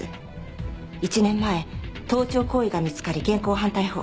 １年前盗聴行為が見つかり現行犯逮捕。